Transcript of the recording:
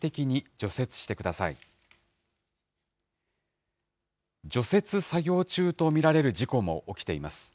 除雪作業中と見られる事故も起きています。